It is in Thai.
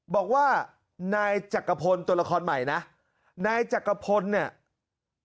บอกว่านายจักรพลตัวละครใหม่นะนายจักรพลเนี่ย